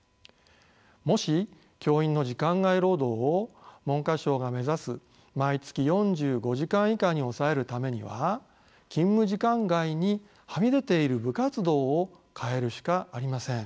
もし教員の時間外労働を文科省が目指す毎月４５時間以下に抑えるためには勤務時間外にはみ出ている部活動を変えるしかありません。